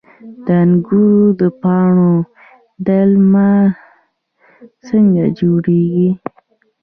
د انګورو د پاڼو دلمه څنګه جوړیږي؟